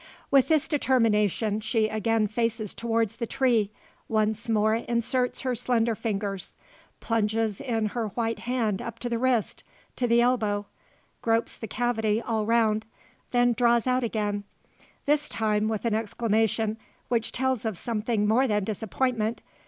With this determination, she again faces towards the tree; once more inserts her slender fingers; plunges in her white hand up to the wrist to the elbow; gropes the cavity all round; then draws out again, this time with an exclamation which tells of something more than disappointment.